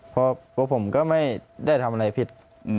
เพราะผมก็ไม่ได้ทำอะไรผิด